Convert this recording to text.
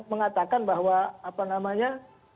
mengatakan bahwa apa namanya